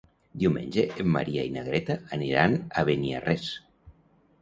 Diumenge en Maria i na Greta aniran a Beniarrés.